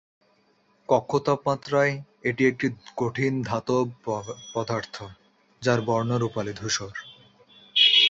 কক্ষ তাপমাত্রায় এটি একটি কঠিন ধাতব পদার্থ, যার বর্ণ রূপালী ধূসর।